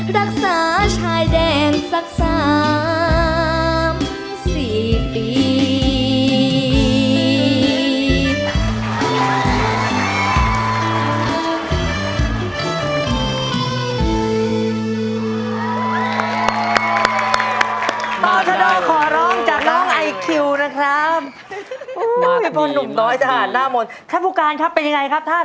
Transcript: รักษาชายแดนสัก๓๔ปี